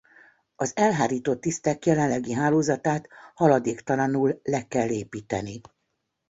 Az elhárító tisztek jelenlegi hálózatát haladéktalanul le kell építeni.